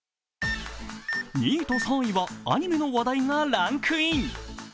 ２位と３位はアニメの話題がランクイン。